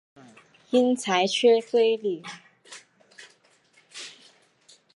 因裁缺归里。